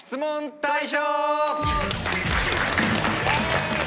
大賞！